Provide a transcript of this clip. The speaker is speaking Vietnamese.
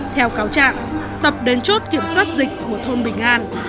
theo cáo trạng tập đến chốt kiểm soát dịch của thôn bình an